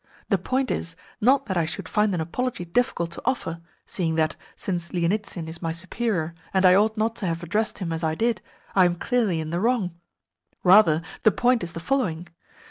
The point is, not that I should find an apology difficult to offer, seeing that, since Lienitsin is my superior, and I ought not to have addressed him as I did, I am clearly in the wrong. Rather, the point is the following.